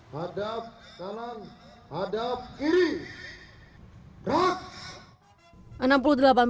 hadap talan hadap kiri berat